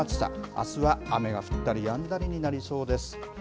あすは雨が降ったりやんだりになりそうです。